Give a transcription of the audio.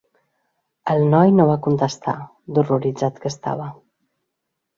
El noi no va contestar, d'horroritzat que estava.